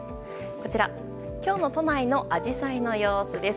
こちら今日の都内のアジサイの様子です。